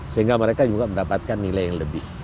sehingga mereka juga mendapatkan nilai yang lebih